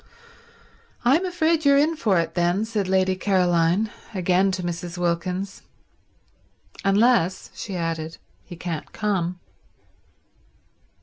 "I'm afraid you're in for it, then," said Lady Caroline, again to Mrs. Wilkins. "Unless," she added, "he can't come."